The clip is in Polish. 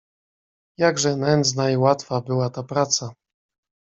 "Jakże nędzna i łatwa była ta praca!"